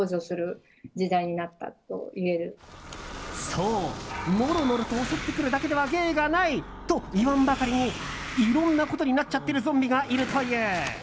そう、ノロノロと襲ってくるだけでは芸がない！と言わんばかりにいろんなことになっちゃってるゾンビがいるという。